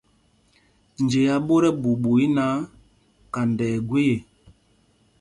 Njea ɓot ɛɓuuɓu í náǎ, kanda ɛ́ gwee ê.